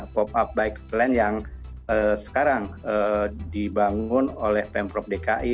pop up bike plan yang sekarang dibangun oleh pemprov dki